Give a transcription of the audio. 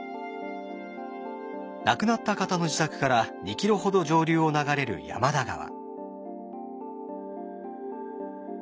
亡くなった方の自宅から２ｋｍほど上流を流れる山田川。